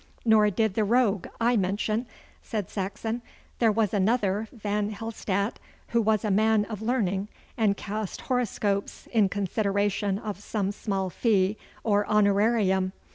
'Nor did the rogue I mention,' said Saxon. 'There was another, Van Helstatt, who was a man of learning, and cast horoscopes in consideration of some small fee or honorarium.